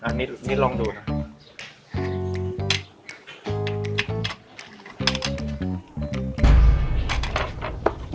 นิดลองดูนะ